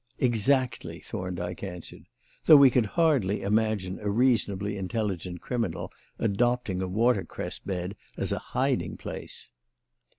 "Exactly," Thorndyke answered, "though we could hardly imagine a reasonably intelligent criminal adopting a watercress bed as a hiding place."